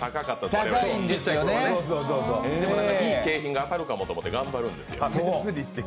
でも何かいい景品が当たるかもと思って頑張るんですよ。